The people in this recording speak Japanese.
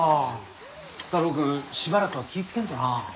太郎くんしばらくは気ぃつけんとな。